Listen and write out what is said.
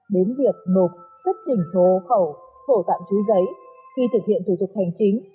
đến việc nộp xuất trình số hộ khẩu sổ tạm chú giấy khi thực hiện thủ tục hành chính